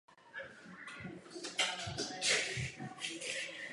Pracoval jako novinář a editor.